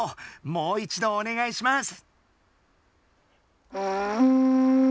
もう一度おねがいします。